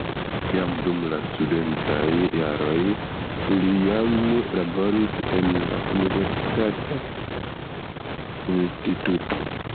Jam dum la studentaj jaroj li jam laboris en la universitata instituto.